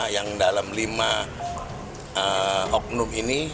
yang dalam lima oknum ini